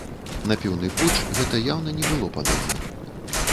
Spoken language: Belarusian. На піўны путч гэта яўна не было падобна.